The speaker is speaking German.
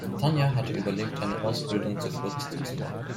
Tonya hatte überlegt eine Ausbildung zur Floristin zu machen.